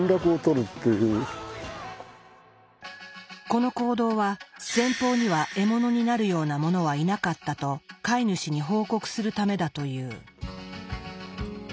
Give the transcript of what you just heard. この行動は前方には獲物になるようなものはいなかったと飼い主に報告するためだという。